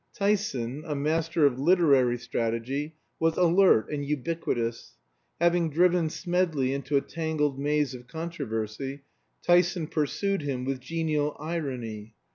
Tyson, a master of literary strategy, was alert and ubiquitous. Having driven Smedley into a tangled maze of controversy, Tyson pursued him with genial irony.